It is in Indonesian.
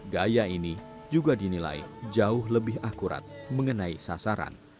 gaya ini juga dinilai jauh lebih akurat mengenai sasaran